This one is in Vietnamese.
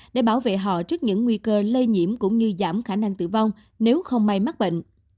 để bảo vệ họ trước những nguy cơ lây nhiễm cũng như giảm khả năng tử vong nếu không may mắc bệnh